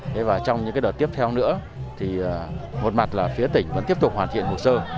thế và trong những đợt tiếp theo nữa thì một mặt là phía tỉnh vẫn tiếp tục hoàn thiện hồ sơ